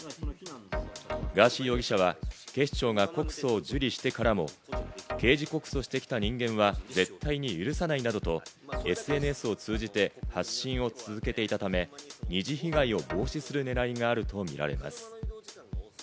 ガーシー容疑者は警視庁が告訴を受理してからも、刑事告訴してきた人間は絶対に許さないなどと、ＳＮＳを通じて発信を続けていたため、二次被害を防止する狙いがあるとみられます。